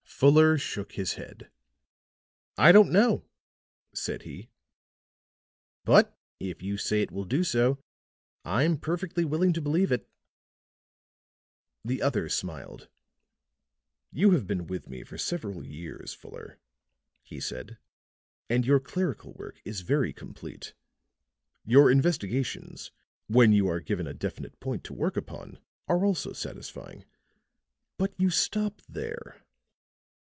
Fuller shook his head. "I don't know," said he. "But if you say it will do so, I'm perfectly willing to believe it." The other smiled. "You have been with me for several years, Fuller," he said, "and your clerical work is very complete. Your investigations, when you are given a definite point to work upon, are also satisfying. But you stop there.